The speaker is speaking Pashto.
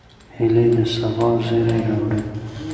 هیلۍ د سبا زیری راوړي